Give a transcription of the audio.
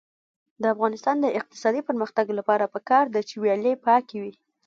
د افغانستان د اقتصادي پرمختګ لپاره پکار ده چې ویالې پاکې وي.